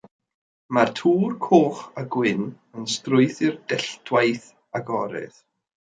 Mae'r twr coch a gwyn yn strwythur delltwaith agored.